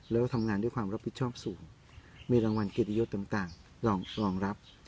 แล้วก็ทำงานด้วยความรับผิดชอบสูงมีรางวัลเกียรติยศต่างรองรับ